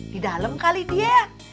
di dalam kali dia